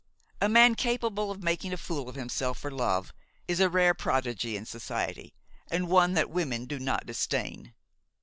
A man capable of making a fool of himself for love is a rare prodigy in society, and one that women do not disdain.